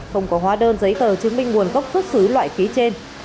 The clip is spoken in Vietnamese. không có hóa đơn giấy tờ chứng minh nguồn gốc xuất xứ loại phí trên